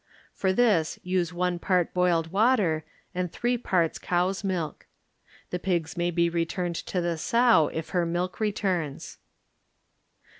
For this use one part boiled water and three parts cow's milk. The pigs may be returned to the sow if her milk returns.